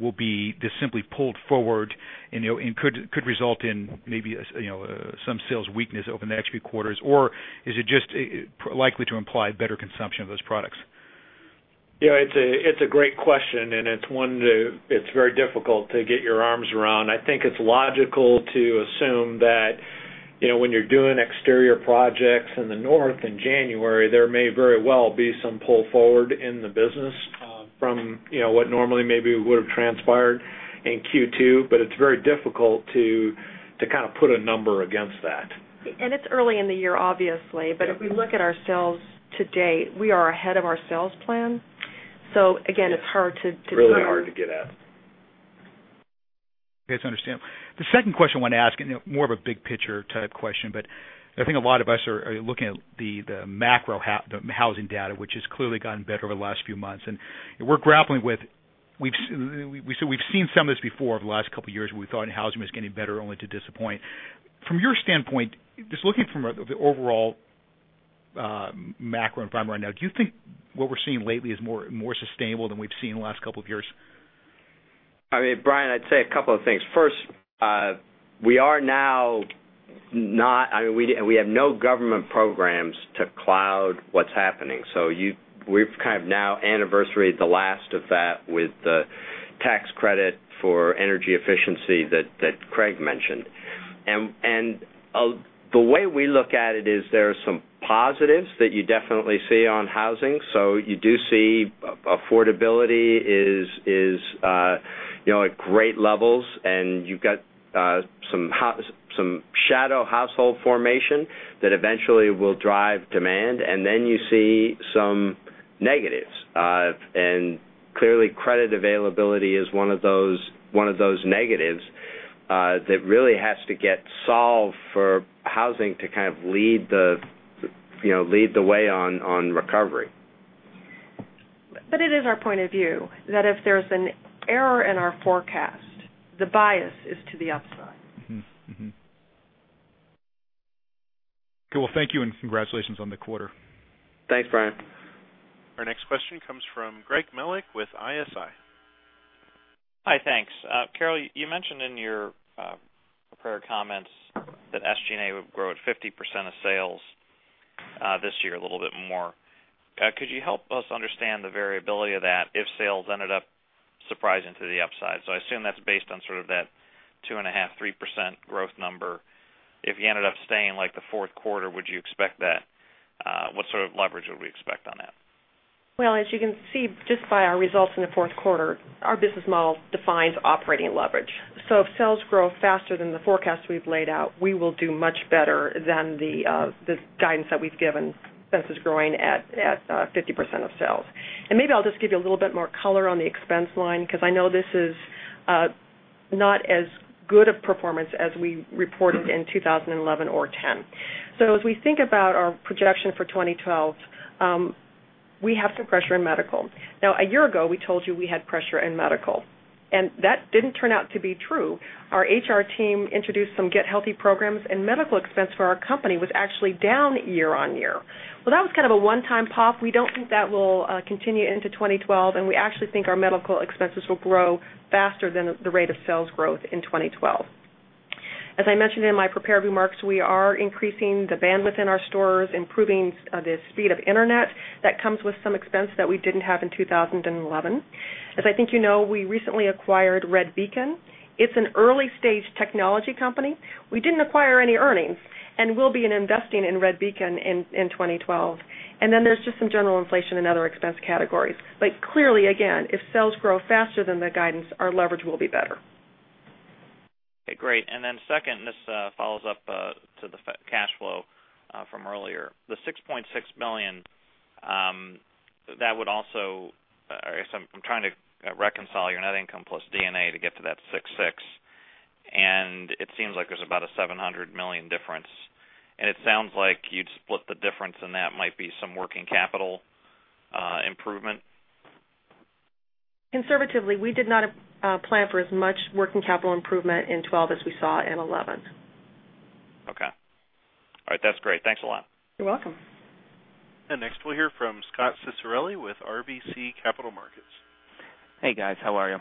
will be just simply pulled forward and could result in maybe some sales weakness over the next few quarters, or is it just likely to imply better consumption of those products? Yeah, it's a great question, and it's one that is very difficult to get your arms around. I think it's logical to assume that, you know, when you're doing exterior projects in the North in January, there may very well be some pull forward in the business from what normally maybe would have transpired in Q2, but it's very difficult to kind of put a number against that. It's early in the year, obviously. If we look at our sales to date, we are ahead of our sales plan. Again, it's hard to. Really hard to get at. Okay, it's understandable. The second question I want to ask, more of a big-picture type question, but I think a lot of us are looking at the macro housing data, which has clearly gotten better over the last few months. We're grappling with, we've seen some of this before over the last couple of years where we thought housing was getting better only to disappoint. From your standpoint, just looking from the overall macro environment right now, do you think what we're seeing lately is more sustainable than we've seen in the last couple of years? I mean, Brian, I'd say a couple of things. First, we are now not, I mean, we have no government programs to cloud what's happening. We've kind of now anniversary the last of that with the tax credit for energy efficiency that Craig mentioned. The way we look at it is there are some positives that you definitely see on housing. You do see affordability is, you know, at great levels, and you've got some shadow household formation that eventually will drive demand. You see some negatives. Clearly, credit availability is one of those negatives that really has to get solved for housing to kind of lead the way on recovery. It is our point of view that if there's an error in our forecast, the bias is to the upside. Okay, thank you and congratulations on the quarter. Thanks, Brian. Our next question comes from Greg Melich with ISI. Hi, thanks. Carol, you mentioned in your prior comments that SG&A would grow at 50% of sales this year, a little bit more. Could you help us understand the variability of that if sales ended up surprising to the upside? I assume that's based on sort of that 2.5%, 3% growth number. If you ended up staying like the fourth quarter, would you expect that? What sort of leverage would we expect on that? As you can see just by our results in the fourth quarter, our business model defines operating leverage. If sales grow faster than the forecast we've laid out, we will do much better than the guidance that we've given since it's growing at 50% of sales. Maybe I'll just give you a little bit more color on the expense line because I know this is not as good of performance as we reported in 2011 or 2010. As we think about our projection for 2012, we have some pressure in medical. A year ago, we told you we had pressure in medical. That didn't turn out to be true. Our HR team introduced some get-healthy programs, and medical expense for our company was actually down year-on-year. That was kind of a one-time pop. We don't think that will continue into 2012, and we actually think our medical expenses will grow faster than the rate of sales growth in 2012. As I mentioned in my prepared remarks, we are increasing the bandwidth in our stores, improving the speed of internet. That comes with some expense that we didn't have in 2011. As I think you know, we recently acquired Red Beacon. It's an early-stage technology company. We didn't acquire any earnings, and we'll be investing in Redbeacon in 2012. There is just some general inflation in other expense categories. Clearly, again, if sales grow faster than the guidance, our leverage will be better. Okay, great. Second, this follows up to the cash flow from earlier. The $6.6 million, that would also, I guess I'm trying to reconcile your net income plus DNA to get to that $6.6 million. It seems like there's about a $700 million difference. It sounds like you'd split the difference, and that might be some working capital improvement. Conservatively, we did not plan for as much working capital improvement in 2012 as we saw in 2011. Okay, all right, that's great. Thanks a lot. You're welcome. Next, we'll hear from Scot Ciccarelli with RBC Capital Markets. Hey guys, how are you?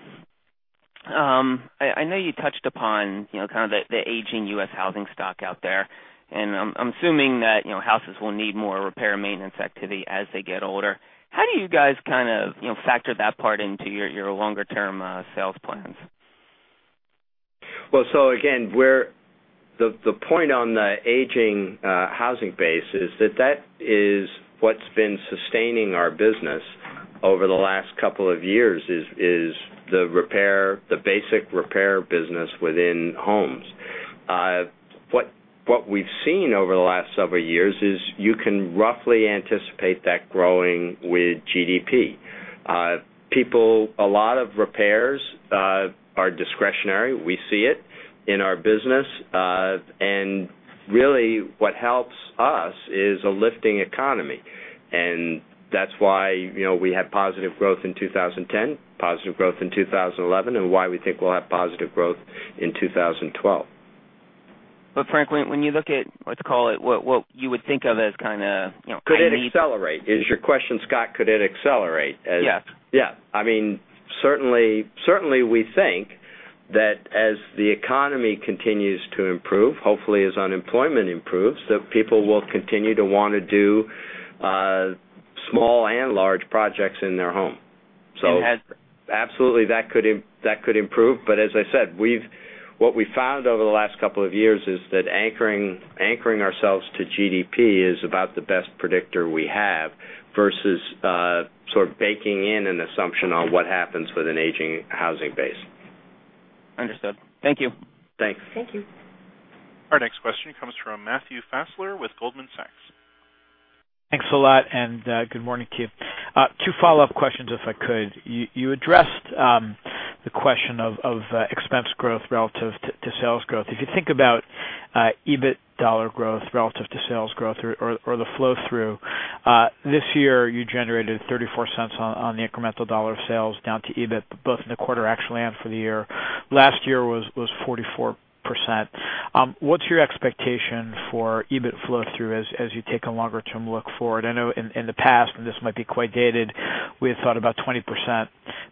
I know you touched upon kind of the aging U.S. housing stock out there. I'm assuming that houses will need more repair and maintenance activity as they get older. How do you guys kind of factor that part into your longer-term sales plans? The point on the aging housing base is that is what's been sustaining our business over the last couple of years, the repair, the basic repair business within homes. What we've seen over the last several years is you can roughly anticipate that growing with GDP. A lot of repairs are discretionary. We see it in our business. What helps us is a lifting economy. That's why we had positive growth in 2010, positive growth in 2011, and why we think we'll have positive growth in 2012. Franklin, when you look at, let's call it what you would think of as kind of. Could it accelerate? Is your question, Scot, could it accelerate? Yes. Certainly, we think that as the economy continues to improve, hopefully as unemployment improves, that people will continue to want to do small and large projects in their home. It has. Absolutely, that could improve. As I said, what we found over the last couple of years is that anchoring ourselves to GDP is about the best predictor we have versus sort of baking in an assumption on what happens with an aging housing base. Understood. Thank you. Thanks. Thank you. Our next question comes from Matthew Fassler with Goldman Sachs. Thanks a lot, and good morning to you. Two follow-up questions, if I could. You addressed the question of expense growth relative to sales growth. If you think about EBIT dollar growth relative to sales growth or the flow-through, this year you generated $0.34 on the incremental dollar of sales down to EBIT, both in the quarter actually and for the year. Last year was 44%. What's your expectation for EBIT flow-through as you take a longer-term look forward? I know in the past, and this might be quite dated, we thought about 20%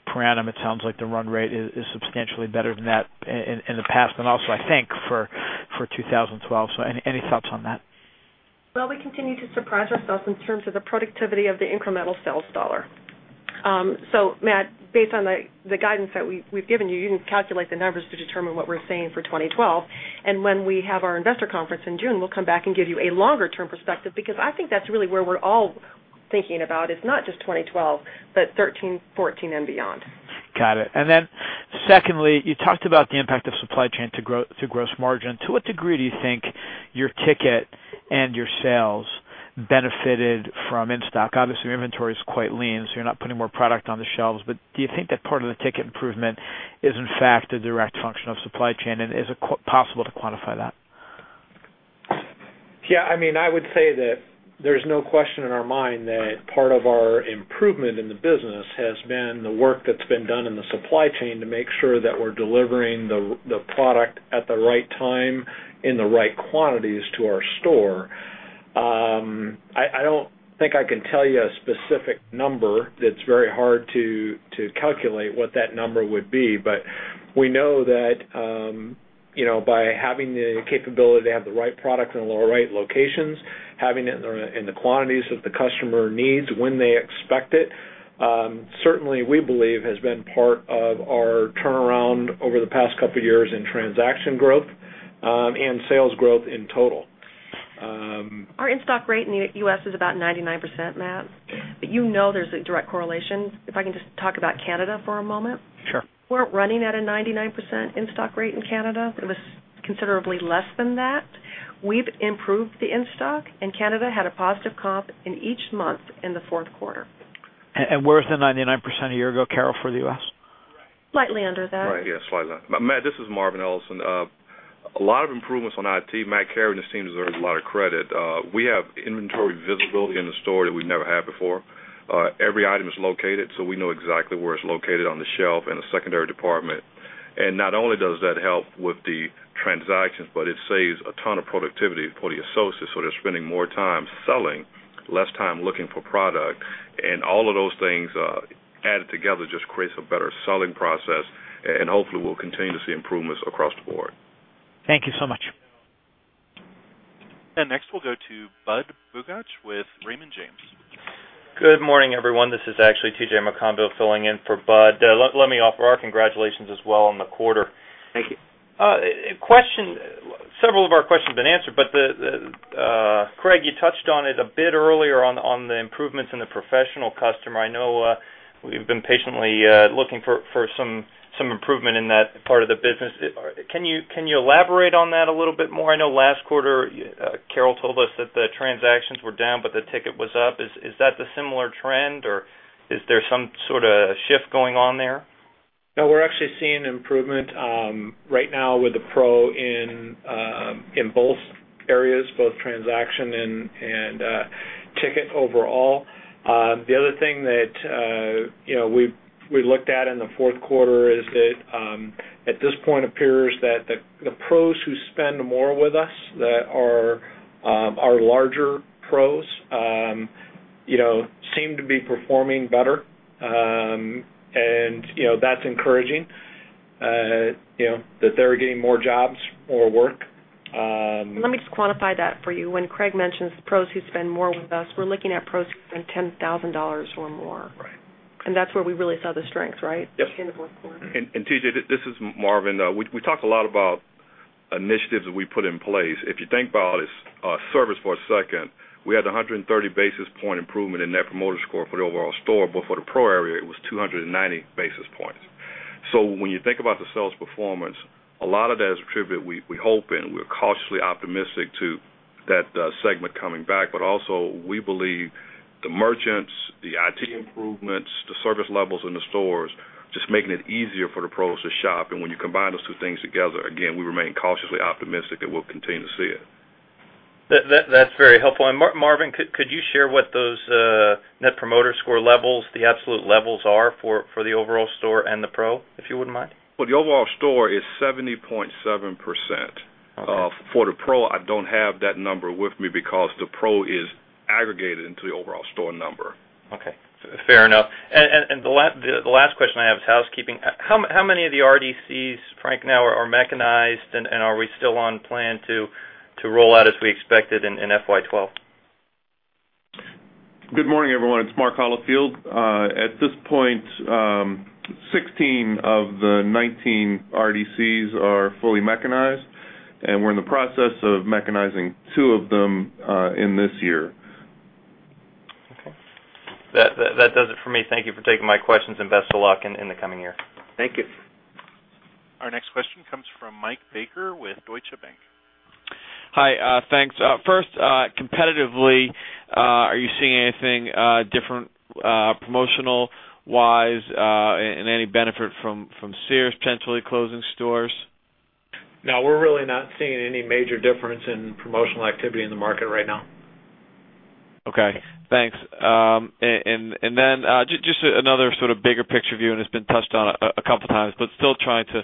per annum. It sounds like the run rate is substantially better than that in the past. I think for 2012. Any thoughts on that? We continue to surprise ourselves in terms of the productivity of the incremental sales dollar. Matt, based on the guidance that we've given you, you can calculate the numbers to determine what we're saying for 2012. When we have our investor conference in June, we'll come back and give you a longer-term perspective because I think that's really where we're all thinking about. It's not just 2012, but 2013, 2014, and beyond. Got it. Secondly, you talked about the impact of supply chain to growth through gross margin. To what degree do you think your ticket and your sales benefited from in-stock? Obviously, your inventory is quite lean, so you're not putting more product on the shelves. Do you think that part of the ticket improvement is in fact a direct function of supply chain? Is it possible to quantify that? Yeah, I mean, I would say that there's no question in our mind that part of our improvement in the business has been the work that's been done in the supply chain to make sure that we're delivering the product at the right time in the right quantities to our store. I don't think I can tell you a specific number. It's very hard to calculate what that number would be. We know that by having the capability to have the right product in the right locations, having it in the quantities that the customer needs when they expect it, certainly we believe has been part of our turnaround over the past couple of years in transaction growth and sales growth in total. Our in-stock rate in the U.S. is about 99%, Matt. You know there's a direct correlation. If I can just talk about Canada for a moment. Sure. We're running at a 99% in-stock rate in Canada. It was considerably less than that. We've improved the in-stock, and Canada had a positive comp in each month in the fourth quarter. Where's the 99% a year ago, Carol, for the U.S.? Slightly under that. Right, yeah, slightly. Matt, this is Marvin Ellison. A lot of improvements on IT. Matt Carey and his team deserve a lot of credit. We have inventory visibility in the store that we've never had before. Every item is located, so we know exactly where it's located on the shelf in the secondary department. Not only does that help with the transactions, but it saves a ton of productivity for the associates. They're spending more time selling, less time looking for product. All of those things added together just create a better selling process. Hopefully, we'll continue to see improvements across the board. Thank you so much. Next, we'll go to Budd Bugatch with Raymond James. Good morning, everyone. This is actually TJ McConville filling in for Budd. Let me offer our congratulations as well on the quarter. Thank you. Question, several of our questions have been answered, but Craig, you touched on it a bit earlier on the improvements in the professional customer. I know we've been patiently looking for some improvement in that part of the business. Can you elaborate on that a little bit more? I know last quarter, Carol told us that the transactions were down, but the ticket was up. Is that a similar trend, or is there some sort of shift going on there? No, we're actually seeing improvement right now with the Pro in both areas, both transaction and ticket overall. The other thing that we looked at in the fourth quarter is that at this point, it appears that the Pros who spend more with us, that are larger Pros, seem to be performing better. That's encouraging, that they're getting more jobs, more work. Let me just quantify that for you. When Craig mentions pros who spend more with us, we're looking at pros who spend $10,000 or more. That's where we really saw the strength, right? Yep. In TJ, this is Marvin. We talked a lot about initiatives that we put in place. If you think about it, our service for a second, we had a 130 basis point improvement in net promoter score for the overall store, but for the pro area, it was 290 basis points. When you think about the sales performance, a lot of that is attributed, we hope, and we're cautiously optimistic to that segment coming back. We believe the merchants, the IT improvements, the service levels in the stores just make it easier for the pros to shop. When you combine those two things together, we remain cautiously optimistic that we'll continue to see it. That's very helpful. Marvin, could you share what those Net Promoter Score levels, the absolute levels are for the overall store and the Pro, if you wouldn't mind? The overall store is 70.7%. For the Pro, I don't have that number with me because the Pro is aggregated into the overall store number. Okay. Fair enough. The last question I have is housekeeping. How many of the RDCs, Frank, now are mechanized, and are we still on plan to roll out as we expected in FY 2012? Good morning, everyone. It's Mark Holifield. At this point, 16 of the 19 RDCs are fully mechanized, and we're in the process of mechanizing two of them this year. Okay, that does it for me. Thank you for taking my questions, and best of luck in the coming year. Thank you. Our next question comes from Mike Baker with Deutsche Bank. Hi, thanks. First, competitively, are you seeing anything different promotional-wise, and any benefit from Sears potentially closing stores? No, we're really not seeing any major difference in promotional activity in the market right now. Okay. Thanks. Just another sort of bigger-picture view, it's been touched on a couple of times, but still trying to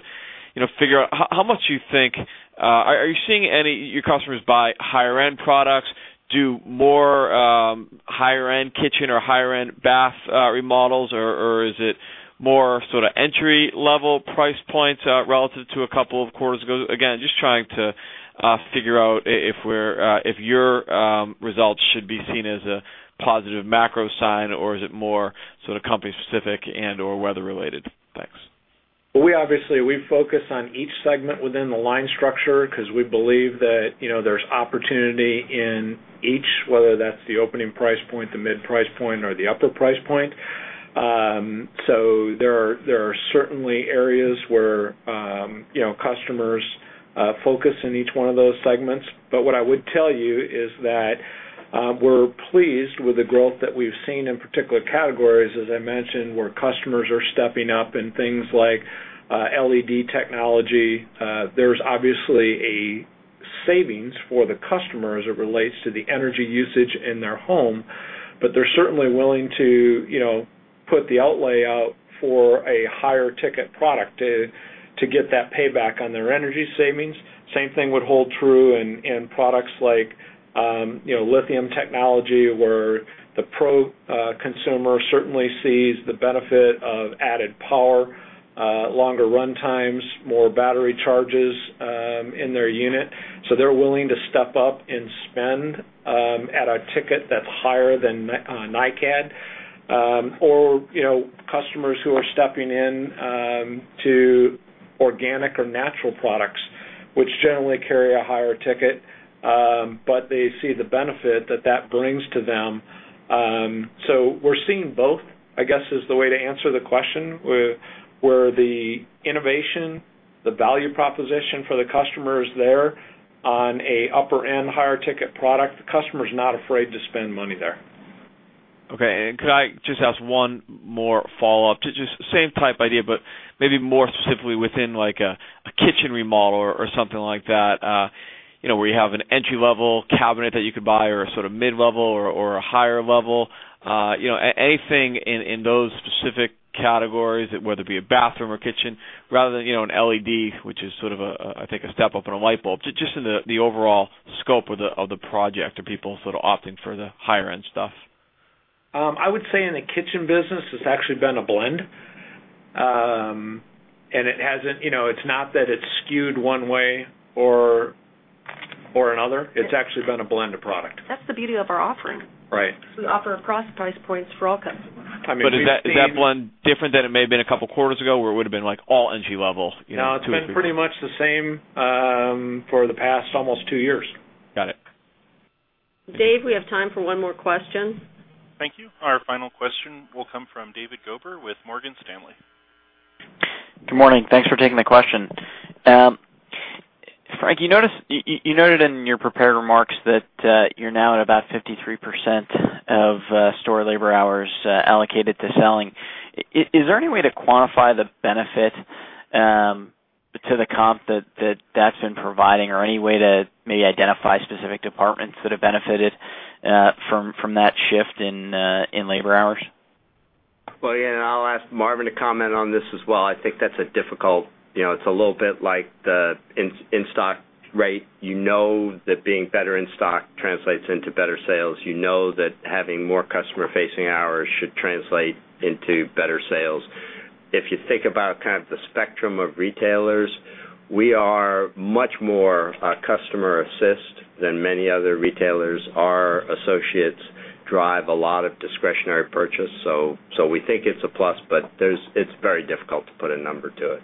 figure out how much you think, are you seeing any of your customers buy higher-end products, do more higher-end kitchen or higher-end bath remodels, or is it more sort of entry-level price points relative to a couple of quarters ago? Just trying to figure out if your results should be seen as a positive macro sign, or is it more sort of company-specific and/or weather-related? Thanks. We focus on each segment within the line structure because we believe that there's opportunity in each, whether that's the opening price point, the mid-price point, or the upper price point. There are certainly areas where customers focus in each one of those segments. What I would tell you is that we're pleased with the growth that we've seen in particular categories, as I mentioned, where customers are stepping up in things like LED technology. There's a savings for the customer as it relates to the energy usage in their home, but they're certainly willing to put the outlay out for a higher ticket product to get that payback on their energy savings. The same thing would hold true in products like lithium technology, where the pro consumer certainly sees the benefit of added power, longer run times, more battery charges in their unit. They're willing to step up and spend at a ticket that's higher than NiCad, or customers who are stepping in to organic or natural products, which generally carry a higher ticket, but they see the benefit that that brings to them. We're seeing both, I guess, is the way to answer the question, where the innovation, the value proposition for the customer is there on an upper-end higher ticket product. The customer is not afraid to spend money there. Okay. Could I just ask one more follow-up? Same type idea, but maybe more specifically within like a kitchen remodel or something like that, where you have an entry-level cabinet that you could buy or a sort of mid-level or a higher level. Anything in those specific categories, whether it be a bathroom or kitchen, rather than an LED, which is sort of, I think, a step-up and a light bulb, just in the overall scope of the project or people sort of opting for the higher-end stuff. I would say in the kitchen business, it's actually been a blend. It hasn't, you know, it's not that it's skewed one way or another. It's actually been a blend of product. That's the beauty of our offering. Right. We offer across price points for all customers. Is that blend different than it may have been a couple of quarters ago, where it would have been like all entry-level? No, it's been pretty much the same for the past almost two years. Got it. Dave, we have time for one more question. Thank you. Our final question will come from David Gober with Morgan Stanley. Good morning. Thanks for taking the question. Frank, you noted in your prepared remarks that you're now at about 53% of store labor hours allocated to selling. Is there any way to quantify the benefit to the comp that that's been providing, or any way to maybe identify specific departments that have benefited from that shift in labor hours? I think that's a difficult, you know, it's a little bit like the in-stock rate. You know that being better in stock translates into better sales. You know that having more customer-facing hours should translate into better sales. If you think about kind of the spectrum of retailers, we are much more customer-assist than many other retailers. Our associates drive a lot of discretionary purchase. We think it's a plus, but it's very difficult to put a number to it.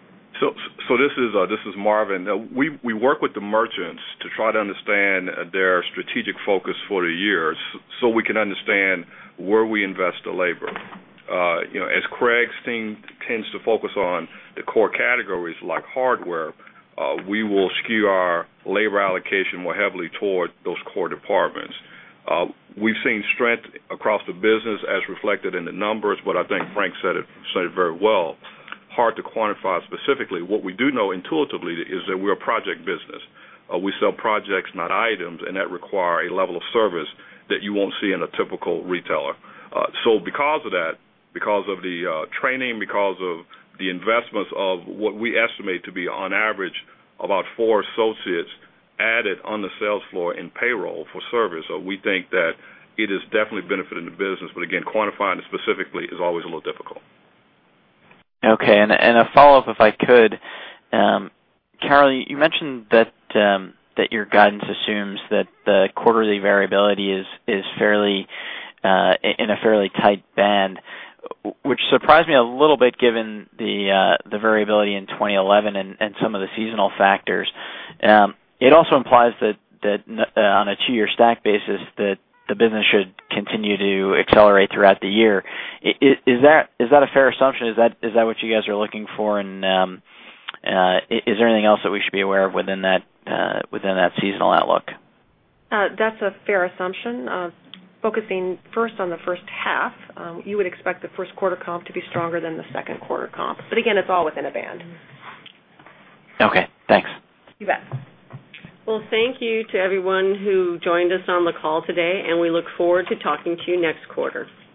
This is Marvin. We work with the merchants to try to understand their strategic focus for the years so we can understand where we invest the labor. As Craig's team tends to focus on the core categories like hardware, we will skew our labor allocation more heavily toward those core departments. We've seen strength across the business as reflected in the numbers. I think Frank said it very well. Hard to quantify specifically. What we do know intuitively is that we're a project business. We sell projects, not items, and that requires a level of service that you won't see in a typical retailer. Because of that, because of the training, because of the investments of what we estimate to be, on average, about four associates added on the sales floor in payroll for service, we think that it has definitely benefited the business. Again, quantifying it specifically is always a little difficult. Okay. A follow-up, if I could. Carol, you mentioned that your guidance assumes that the quarterly variability is in a fairly tight band, which surprised me a little bit given the variability in 2011 and some of the seasonal factors. It also implies that on a two-year stack basis, the business should continue to accelerate throughout the year. Is that a fair assumption? Is that what you guys are looking for? Is there anything else that we should be aware of within that seasonal outlook? That's a fair assumption. Focusing first on the first half, you would expect the first quarter comp to be stronger than the second quarter comps. Again, it's all within a band. Okay. Thanks. Thank you to everyone who joined us on the call today, and we look forward to talking to you next quarter.